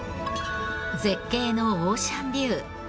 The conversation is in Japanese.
絶景のオーシャンビュー。